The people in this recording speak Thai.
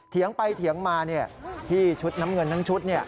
เถียงไปเถียงมาที่ชุดน้ำเงินทั้งชุด